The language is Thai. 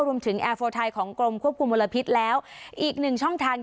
รวมถึงอาฟอร์ไทยของกรมควบคุมมลพิษแล้วอีกหนึ่งช่องฐานด้วย